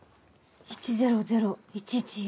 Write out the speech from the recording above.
１００１１４。